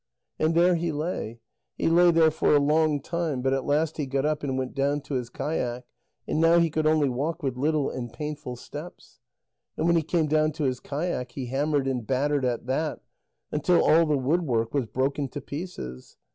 And there he lay. He lay there for a long time, but at last he got up and went down to his kayak, and now he could only walk with little and painful steps. And when he came down to his kayak, he hammered and battered at that, until all the woodwork was broken to pieces.